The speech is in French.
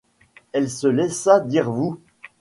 Elle se laissa dire vous.